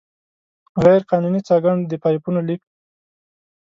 غیرقانوني څاګانو، د پایپونو لیک.